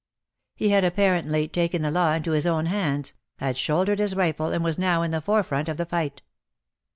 He had apparently taken the law into his own hands, had shouldered his rifle and was now in the forefront of the fight.